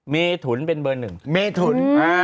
เมถุนเป็นเบอร์หนึ่งเมถุน